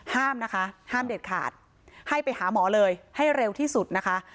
ห้ามนะคะห้ามเด็ดขาดให้ไปหาหมอเลยให้เร็วที่สุดนะคะ